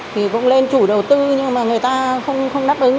thì cũng lên chủ đầu tư nhưng mà người ta không đáp ứng